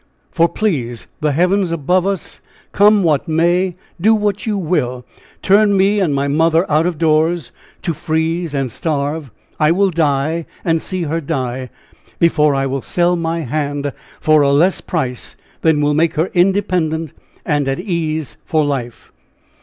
For, please the heavens above us! come what may! do what you will! turn me and my mother out of doors, to freeze and starve I will die, and see her die, before I will sell my hand for a less price than will make her independent and at ease for life!